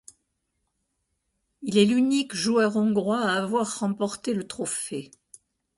Il est l'unique joueur Hongrois à avoir remporté le trophée.